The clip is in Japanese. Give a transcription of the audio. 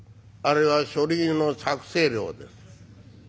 「あれは書類の作成料です」。